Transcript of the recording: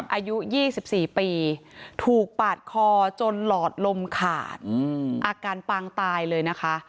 อายุ๒๔ปีถูกปาดคอจนหลอดลมขาดอาการปางตายเลยนะคะ